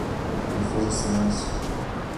Ele fez um silêncio.